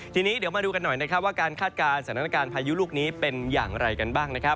ทีนี้เดี๋ยวมาดูกันหน่อยนะครับว่าการคาดการณ์สถานการณ์พายุลูกนี้เป็นอย่างไรกันบ้างนะครับ